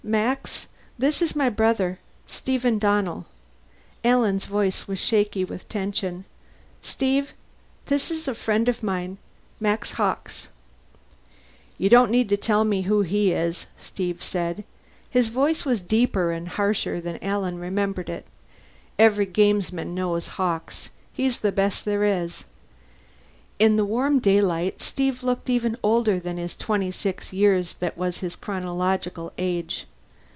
"M Max, this is my brother, Steven Donnell." Alan's voice was shaky with tension. "Steve, this is a friend of mine. Max Hawkes." "You don't need to tell me who he is," Steve said. His voice was deeper and harsher than Alan remembered it. "Every gamesman knows Hawkes. He's the best there is." In the warm daylight, Steve looked even older than the twenty six years that was his chronological age.